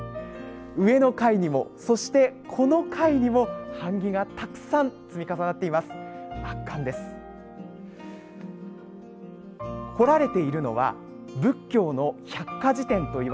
上の階にも、そして、この階にも版木がたくさん積み重なっています。